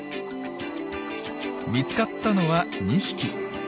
見つかったのは２匹。